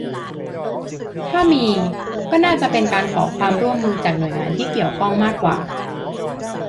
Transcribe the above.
ถ้ามี ก็น่าจะเป็นการขอความร่วมมือจากหน่วยงานที่เกี่ยวข้องมากกว่า